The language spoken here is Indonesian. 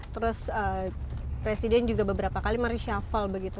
terus presiden juga beberapa kali mereshafal begitu